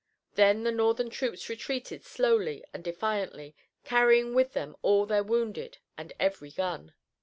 Then the Northern troops retreated slowly and defiantly, carrying with them all their wounded and every gun.